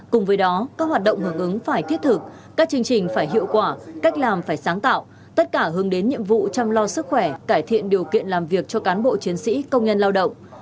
cùng với đó các hoạt động hưởng ứng phải thiết thực các chương trình phải hiệu quả cách làm phải sáng tạo tất cả hướng đến nhiệm vụ chăm lo sức khỏe cải thiện điều kiện làm việc cho cán bộ chiến sĩ công nhân lao động